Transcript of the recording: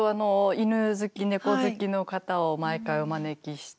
犬好き猫好きの方を毎回お招きして。